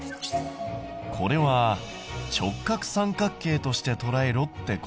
これは直角三角形としてとらえろってことだな。